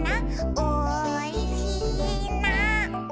「おいしいな」